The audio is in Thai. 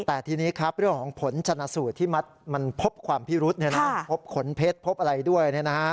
แต่ทีนี้ครับเรื่องของผลชนะสูตรที่มันพบความพิรุษพบขนเพชรพบอะไรด้วย